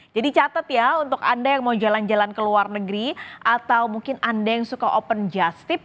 jadi catat ya untuk anda yang mau jalan jalan ke luar negeri atau mungkin anda yang suka open just tip